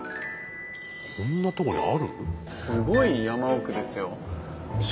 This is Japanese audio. そんなとこにある？